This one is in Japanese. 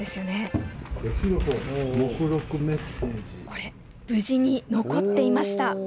これ、無事に残っていました。